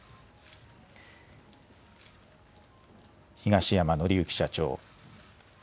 東山紀之社長。